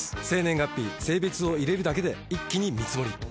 生年月日性別を入れるだけで一気に見積り。